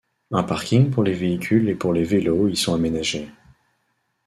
Un parking pour les véhicules et pour les vélos y sont aménagés.